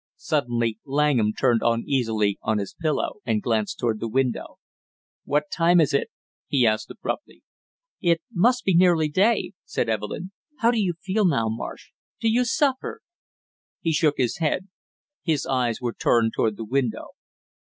Suddenly Langham turned uneasily on his pillow and glanced toward the window. "What time is it?" he asked abruptly. "It must be nearly day," said Evelyn. "How do you feel now, Marsh? Do you suffer?" He shook his head. His eyes were turned toward the window.